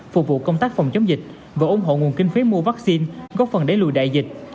phục vụ công tác phòng chống dịch và ủng hộ nguồn kinh phí mua vaccine góp phần đẩy lùi đại dịch